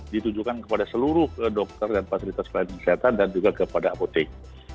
ditujukan kepada seluruh dokter dan fasilitas pelayanan kesehatan dan juga kepada apotek